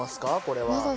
これは。